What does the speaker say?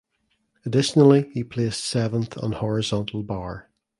Additionally he placed seventh on horizontal bar.